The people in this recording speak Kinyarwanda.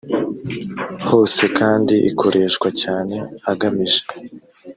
hose kandi ikoreshwa cyane agamije